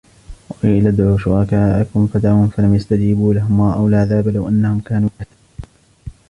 وقيل ادعوا شركاءكم فدعوهم فلم يستجيبوا لهم ورأوا العذاب لو أنهم كانوا يهتدون